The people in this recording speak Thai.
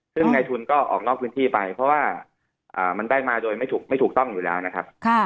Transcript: ซึ่งในทุนก็ออกนอกพื้นที่ไปเพราะว่ามันได้มาโดยไม่ถูกต้องอยู่แล้วนะครับ